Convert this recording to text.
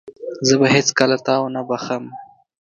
زه به هيڅکله تا ونه بخښم.